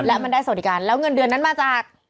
และมันได้สวัสดิการแล้วเงินเดือนนั้นมาจาก